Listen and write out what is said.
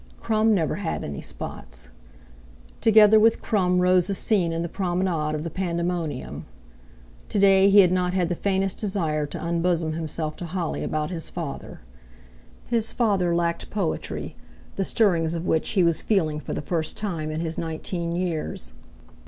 Crum never had any spots. Together with Crum rose the scene in the promenade of the Pandemonium. To day he had not had the faintest desire to unbosom himself to Holly about his father. His father lacked poetry, the stirrings of which he was feeling for the first time in his nineteen years.